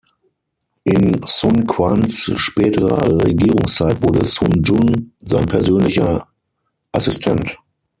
In Sun Quans späterer Regierungszeit wurde Sun Jun sein persönlicher Assistent.